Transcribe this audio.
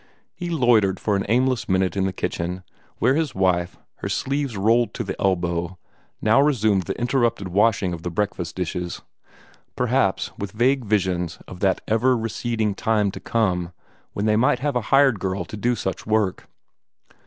He loitered for an aimless minute in the kitchen, where his wife, her sleeves rolled to the elbow, now resumed the interrupted washing of the breakfast dishes perhaps with vague visions of that ever receding time to come when they might have a hired girl to do such work.